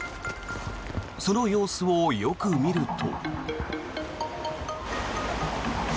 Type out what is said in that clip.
その様子をよく見ると。